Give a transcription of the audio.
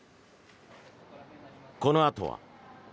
このあとは。